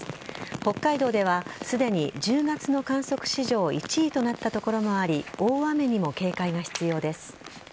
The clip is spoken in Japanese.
北海道ではすでに１０月の観測史上１位となった所もあり大雨にも警戒が必要です。